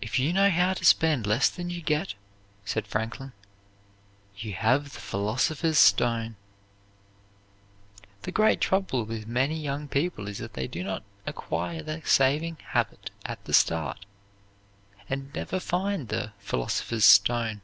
"If you know how to spend less than you get," said Franklin, "you have the philosopher's stone." The great trouble with many young people is that they do not acquire the saving habit at the start, and never find the "philosopher's stone."